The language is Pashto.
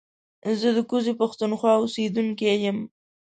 زه د کوزې پښتونخوا اوسېدونکی يم